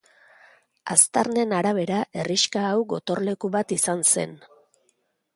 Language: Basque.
Aztarnen arabera herrixka hau gotorleku bat izan zen.